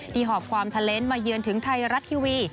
หอบความทะเลนส์มาเยือนถึงไทยรัฐทีวี